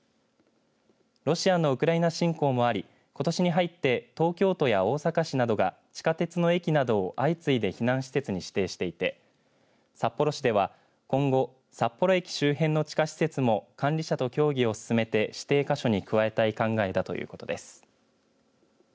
ロシアのウクライナ侵攻もありことしに入って東京都や大阪市などが地下鉄の駅などを相次いで避難施設に指定していて札幌市では、今後札幌駅周辺の地下施設も管理者と協議を進めて指定箇所に加えたい考えだということです。